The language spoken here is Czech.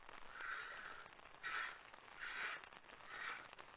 Zajímal se o dění ve štábu a rychle stoupal po kariérním žebříčku.